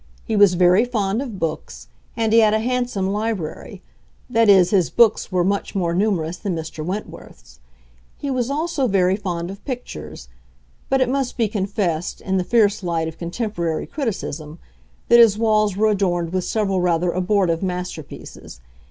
He was very fond of books, and he had a handsome library; that is, his books were much more numerous than Mr. Wentworth's. He was also very fond of pictures; but it must be confessed, in the fierce light of contemporary criticism, that his walls were adorned with several rather abortive masterpieces.